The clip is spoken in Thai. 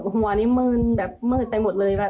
หัวนี้มืนแบบมืดไปหมดเลยค่ะ